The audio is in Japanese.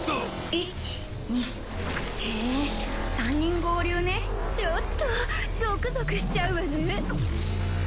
１２へえ３人合流ねちょっとゾクゾクしちゃうわね